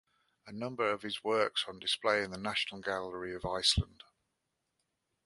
A number of his works are on display in the National Gallery of Iceland.